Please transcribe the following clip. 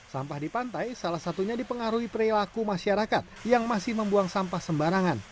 sampah di pantai salah satunya dipengaruhi perilaku masyarakat yang masih membuang sampah sembarangan